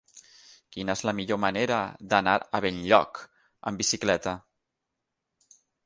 Quina és la millor manera d'anar a Benlloc amb bicicleta?